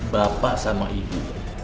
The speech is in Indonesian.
bapak sama ibu